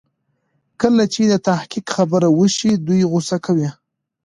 کله چې د تحقيق خبره وشي دوی غوسه کوي.